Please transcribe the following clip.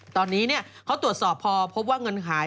ตอนนี้เขาตรวจสอบพอพบว่าเงินหาย